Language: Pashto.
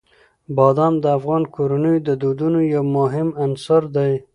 بادام د افغان کورنیو د دودونو یو مهم عنصر دی.